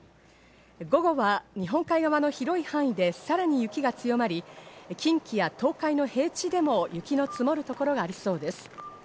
午後は日本海側の広い範囲でさらに雪が強まり、近畿や東海の平地でも雪の積もる所がありそうです。